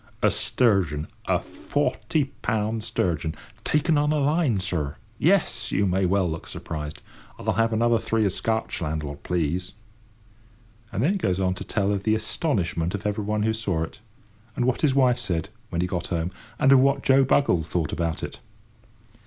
A sturgeon! a forty pound sturgeon! taken on a line, sir! Yes, you may well look surprised—I'll have another three of Scotch, landlord, please." And then he goes on to tell of the astonishment of everybody who saw it; and what his wife said, when he got home, and of what Joe Buggles thought about it.